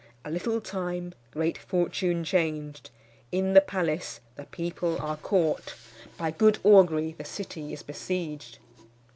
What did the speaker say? A little time, great fortune changed. In the palace the people are caught. By good augury the city is besieged."